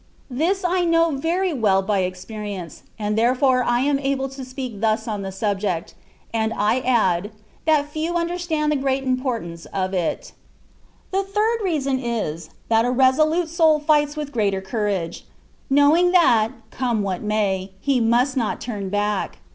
This I know very well by experience, and therefore am I able to speak thus on the subject ; and I add, that few understand the great impor tance of it. A third reason is, that a resolute soul fights with greater courage, knowing that, come what may, he must not turn back.